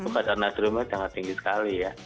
kadar natriumnya sangat tinggi sekali ya